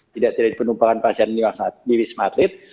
tidak terjadi penumpangan pasien di wisma atlet